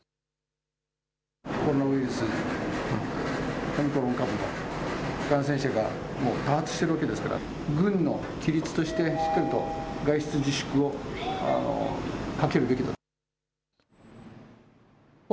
コロナウイルスのオミクロン株の感染者が多発しているわけですから、軍の規律として、しっかりと外出自粛をかけるべきだと。